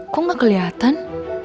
kok gak keliatan